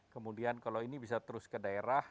kemudian kalau ini bisa terus ke daerah